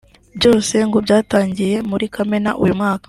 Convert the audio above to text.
Byose ngo byatangiye muri Kamena uyu mwaka